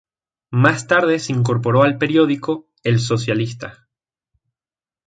Más tarde se incorporó al periódico "El Socialista".